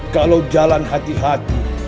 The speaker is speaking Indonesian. kalau jalan hati hati